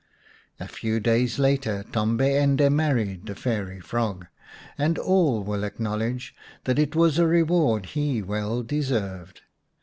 A few days later Tombi ende married the fairy frog, and all will acknowledge that it was a reward he well deserved.